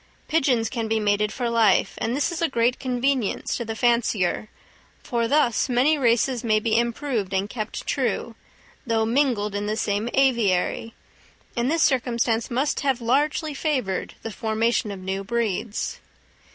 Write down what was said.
Pigeons can be mated for life, and this is a great convenience to the fancier, for thus many races may be improved and kept true, though mingled in the same aviary; and this circumstance must have largely favoured the formation of new breeds.